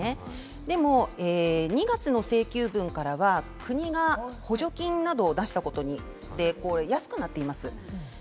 でも２月の請求分からは、国が補助金などを出したことによって安くなっています。